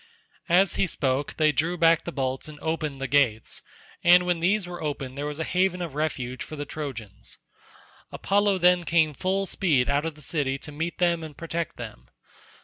As he spoke they drew back the bolts and opened the gates, and when these were opened there was a haven of refuge for the Trojans. Apollo then came full speed out of the city to meet them and protect them.